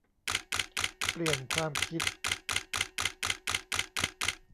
เปลี่ยนความคิด